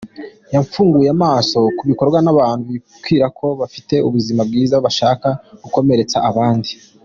Yamfunguye amaso, ku bikorwa n’abantu bibwira ko bafite ubuzima bwiza, bashaka gukomeretsa abandi.